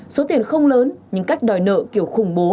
số tiền không lớn nhưng cách đòi nợ kiểu khủng bố